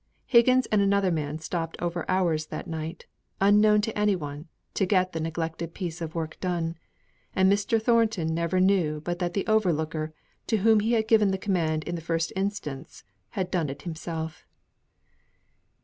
Higgins and another man stopped over hours that night, unknown to any one, to get the neglected piece of work done; and Mr. Thornton never knew but that the overlooker, to whom he had given the command in the first instance, had done it himself.